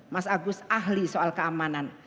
mas agus ahli soal keamanan